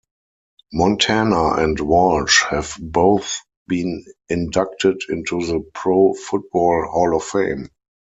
Montana and Walsh have both been inducted into the Pro Football Hall of Fame.